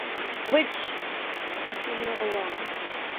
The eggs are incubated by the female alone.